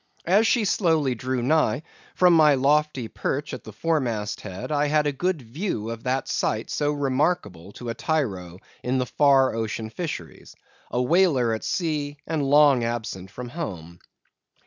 As she slowly drew nigh, from my lofty perch at the fore mast head, I had a good view of that sight so remarkable to a tyro in the far ocean fisheries—a whaler at sea, and long absent from home.